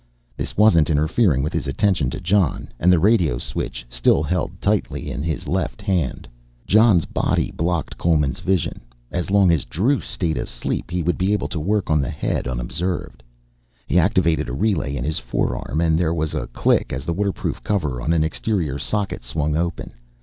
This wasn't interfering with his attention to Jon and the radio switch still held tightly in left hand. Jon's body blocked Coleman's vision, as long as Druce stayed asleep he would be able to work on the head unobserved. He activated a relay in his forearm and there was a click as the waterproof cover on an exterior socket swung open.